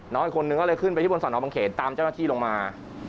อีกคนนึงก็เลยขึ้นไปที่บนสอนอบังเขนตามเจ้าหน้าที่ลงมา